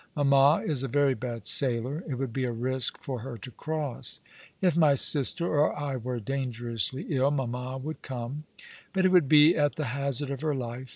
Mamma is a very bad sailor. It would be a risk for her to cross. If my sister or I were dangerously ill, mamma would come. But it would be at the hazard of her life.